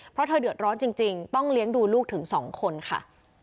เพราะเธอเดือดร้อนจริงต้องเลี้ยงดูลูกถึง๒คนค่ะ